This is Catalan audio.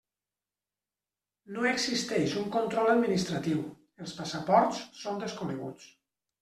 No existeix un control administratiu; els passaports són desconeguts.